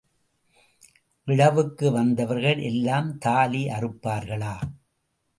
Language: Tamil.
இழவுக்கு வந்தவர்கள் எல்லாம் தாலி அறுப்பார்களா?